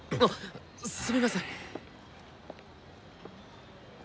すみません！